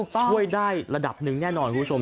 ช่วยได้ระดับหนึ่งแน่นอนคุณผู้ชม